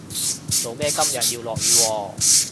做咩今日要落雨喎